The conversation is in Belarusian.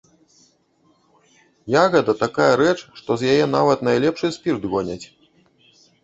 Ягада такая рэч, што з яе нават найлепшы спірт гоняць.